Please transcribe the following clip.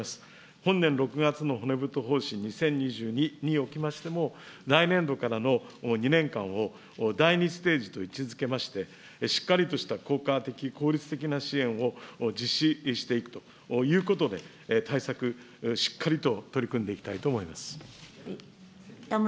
本年６月の骨太方針２０２２におきましても、来年度からの２年間を、第２ステージと位置づけまして、しっかりとした効果的、効率的な支援を実施していくということで、対策、しっかりと取り組んでいきたいと思います。